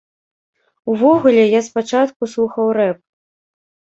Увогуле, я спачатку слухаў рэп.